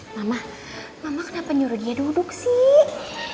mama mama kenapa penyuruh dia duduk sih